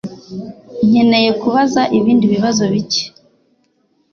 Nkeneye kubaza ibindi bibazo bike.